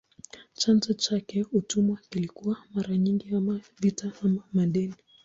Chanzo cha utumwa kilikuwa mara nyingi ama vita ama madeni.